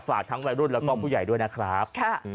ฝากทั้งวัยรุ่นแล้วก็ผู้ใหญ่ด้วยนะครับ